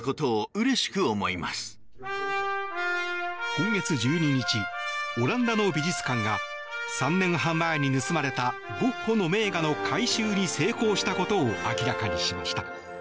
今月１２日オランダの美術館が３年半前に盗まれたゴッホの名画の回収に成功したことを明らかにしました。